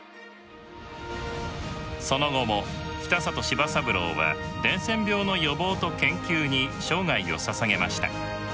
その後も北里柴三郎は伝染病の予防と研究に生涯をささげました。